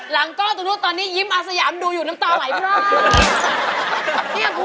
หลังก้อนตรงนู้นตอนนี้ยิ้มอาสยามดูอยู่น้ำตาไหวบ้าง